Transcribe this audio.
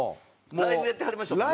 ライブやってはりましたもんね。